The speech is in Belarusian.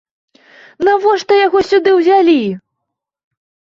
Навошта яго сюды ўзялі?